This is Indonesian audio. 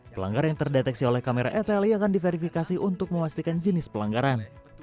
pelanggar yang terdeteksi oleh kamera eteli akan diverifikasi untuk memastikan jenis pelanggaran